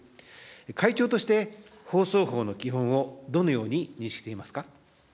会長として、放送法の基本をどのように認識していますか。